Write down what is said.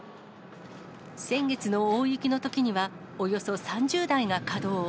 先月の大雪のときには、およそ３０台が稼働。